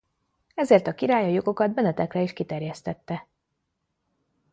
Ezért a király a jogokat Benedekre is kiterjesztette.